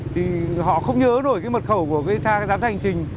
thì họ không nhớ nổi cái mật khẩu của vsa giám sát hành trình